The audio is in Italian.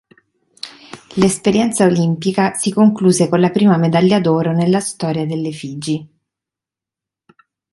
L'esperienza olimpica si concluse con la prima medaglia d'oro nella storia delle Figi.